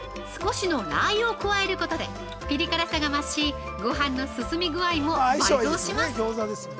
少しのラー油を加えることでピリ辛さが増しごはんの進み具合も倍増します。